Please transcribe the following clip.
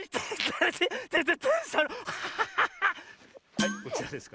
はいこちらです。